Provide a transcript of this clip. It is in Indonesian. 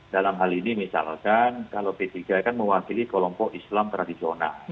dalam hal ini misalkan kalau p tiga kan mewakili kelompok islam tradisional